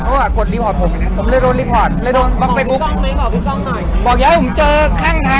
ถึงเขาจะเยี่ยมเยอะกว่าผมเยอะอย่างเงี้ย